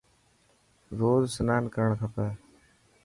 روز سنان ڪرڻ کپي.